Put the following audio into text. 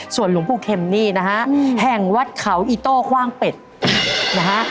ส่วนหลวงปู่เข็มนี่นะฮะแห่งวัดเขาอีโต้คว่างเป็ดนะฮะ